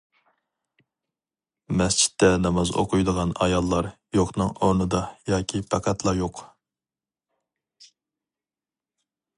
مەسچىتتە ناماز ئوقۇيدىغان ئاياللار يوقنىڭ ئورنىدا ياكى پەقەتلا يوق.